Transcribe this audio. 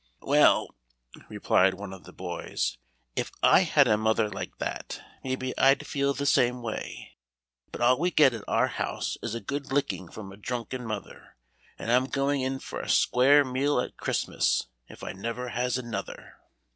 "Well," replied one of the boys, "if I had a mother like that, maybe I'd feel the same way; but all we get at our house is a good licking from a drunken mother, and I'm going in for a square meal at Christmas, if I never has another."